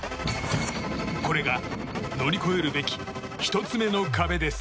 これが乗り越えるべき１つ目の壁です。